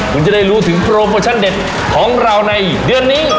คุณจะได้รู้ถึงโปรโมชั่นเด็ดของเราในเดือนนี้